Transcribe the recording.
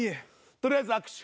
とりあえず握手。